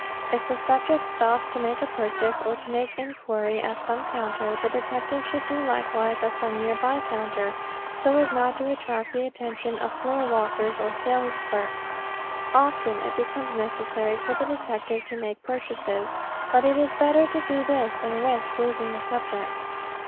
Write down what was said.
If the subject stops to make a purchase, or to make inquiry at some counter, the detective should do likewise at some nearby counter so as not to attract the attention of floor walkers or sales clerks. Often it becomes necessary for the detective to make purchases, but it is better to do this than risk losing the subject.